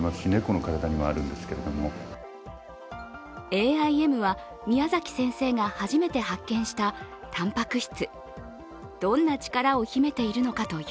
ＡＩＭは、宮崎先生が初めて発見したたんぱく質。